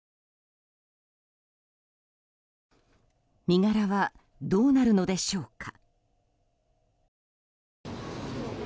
身柄はどうなるのでしょうか。